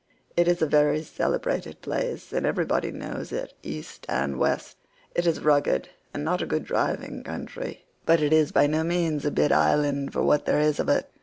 It is a very celebrated place, and everybody knows it East and West. It is rugged and not a good driving country, but it is by no means a bad island for what there is of it.